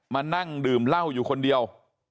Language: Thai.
มานั่งดื่มเหล้าอยู่คนเดียว